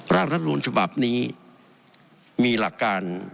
ร่างรัฐธรรมนุษย์ฉบับนี้มีหลักการ